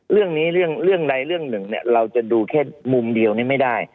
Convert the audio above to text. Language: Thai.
เรื่องนี้เรื่องใดเรื่องหนึ่งเราจะดูแค่มุมเดียวนี้ไม่ได้